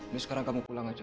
ini sekarang kamu pulang aja